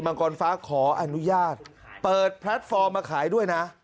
กรฟ้าขออนุญาตเปิดแพลตฟอร์มมาขายด้วยนะ